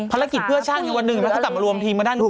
ภารกิจเพื่อช่างอย่างวันหนึ่งแล้วเขากลับมารวมทีมาด้านป่าว